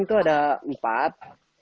itu ada empat